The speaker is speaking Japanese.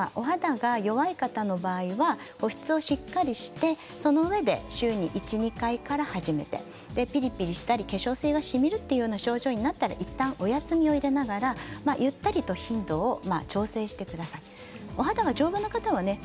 ですからお肌が弱い方の場合には保湿をしっかりしてそのうえで週に１回から２回から始めてピリピリしたり化粧水がしみるという症状があったらいったんお休みをして頻度を調整してください。